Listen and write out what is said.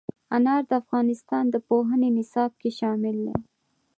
انار د افغانستان د پوهنې نصاب کې شامل دي.